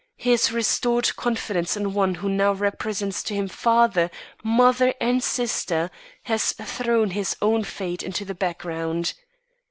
His restored confidence in one who now represents to him father, mother, and sister has thrown his own fate into the background.